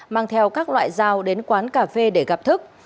mang theo các loại dao đến quán cà phê để gặp thức